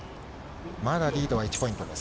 まだリードは１ポイントです。